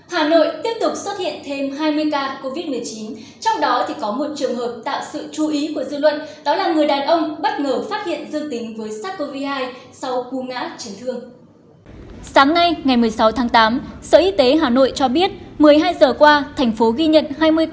hà nội tiếp tục xuất hiện thêm hai mươi ca covid một mươi chín trong đó thì có một trường hợp tạo sự chú ý của dư luận đó là người đàn ông bất ngờ phát hiện dương tính với sars cov hai sau cú ngã chấn thương